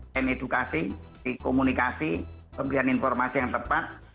pen edukasi dikomunikasi pemberian informasi yang tepat